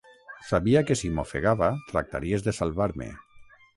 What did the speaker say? Sabia que si m'ofegava tractaries de salvar-me.